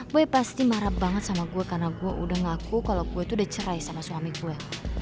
gue pasti marah banget sama gue karena gue udah ngaku kalau gue tuh udah cerai sama suami gue